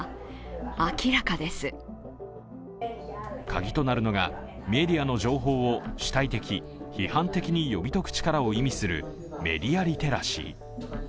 カギとなるのがメディアの情報を主体的、批判的に読み解く力を意味するメディア・リテラシー。